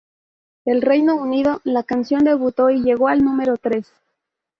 En Reino Unido la canción debutó y llegó al número tres.